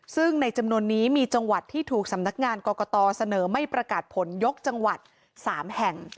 ซึ่งในจำนวนนี้มีจังหวัดที่ถูกสำนักงานกรกตเสนอไม่ประกาศผลยกจังหวัด๓แห่ง